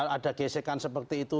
ada gesekan seperti itu